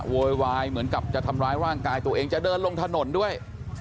โวยวายเหมือนกับจะทำร้ายร่างกายตัวเองจะเดินลงถนนด้วย